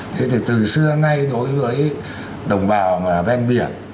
thế thì từ xưa ngay đối với đồng bào bên biển